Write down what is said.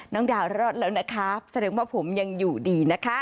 น้องดาวรอดแล้วนะคะแสดงว่าผมยังอยู่ดีนะคะ